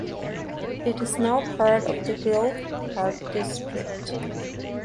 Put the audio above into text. It is now part of the Grove Park district.